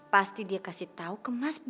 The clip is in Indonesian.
pasti dia kasih tau ke mas b